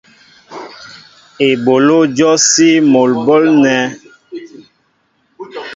Eɓoló jɔsí mol á ɓólnέ.